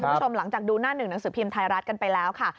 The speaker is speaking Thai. คุณผู้ชมหลังจากดูหน้าหนึ่งหนังสือพิมพ์ไทยรัฐกันไปแล้วค่ะ